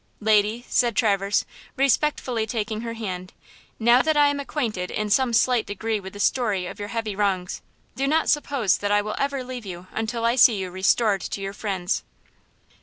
"Lady," said Traverse, respectfully taking her hand, "now that I am acquainted in some slight degree with the story of your heavy wrongs, do not suppose that I will ever leave you until I see you restored to your friends."